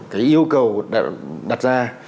cái yêu cầu đặt ra